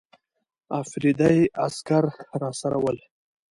افریدي عسکر راسره ول.